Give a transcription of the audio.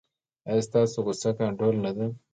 ایا ستاسو غوسه کنټرول نه ده؟